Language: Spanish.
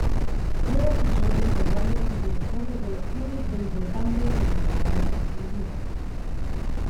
Fue asesor literario y director de colecciones de importantes editoriales argentinas.